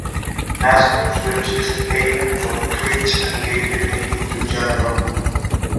Nasmyth refused payment from Creech and gave the painting to Jean Armour.